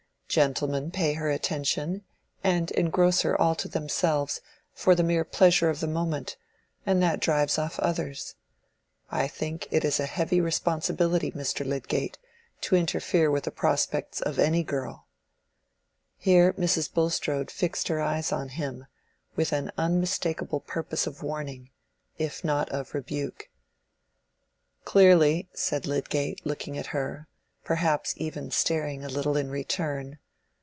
"Gentlemen pay her attention, and engross her all to themselves, for the mere pleasure of the moment, and that drives off others. I think it is a heavy responsibility, Mr. Lydgate, to interfere with the prospects of any girl." Here Mrs. Bulstrode fixed her eyes on him, with an unmistakable purpose of warning, if not of rebuke. "Clearly," said Lydgate, looking at her—perhaps even staring a little in return.